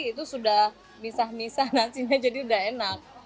itu sudah misah misah nasinya jadi udah enak